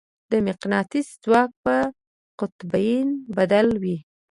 د مقناطیس ځواک په قطبین بدل وي.